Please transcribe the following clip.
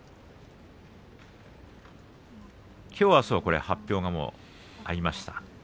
きょうとあすは発表がありました。